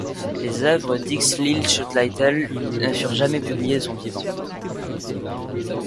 Les œuvres d'Ixtlilxochtitl ne furent jamais publiées de son vivant.